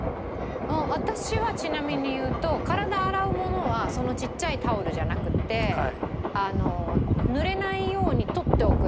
私はちなみに言うと体洗うものはそのちっちゃいタオルじゃなくてぬれないように取っておくんです